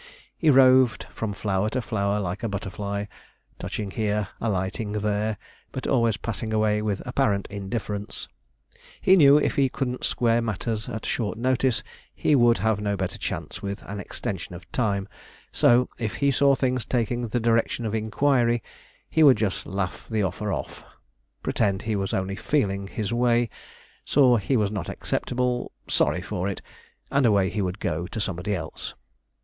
He roved from flower to flower like a butterfly, touching here, alighting there, but always passing away with apparent indifference. He knew if he couldn't square matters at short notice, he would have no better chance with an extension of time; so, if he saw things taking the direction of inquiry he would just laugh the offer off, pretend he was only feeling his way saw he was not acceptable sorry for it and away he would go to somebody else.